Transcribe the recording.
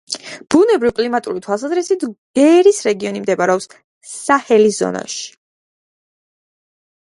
ბუნებრივ-კლიმატური თვალსაზრისით გერის რეგიონი მდებარეობს საჰელის ზონაში.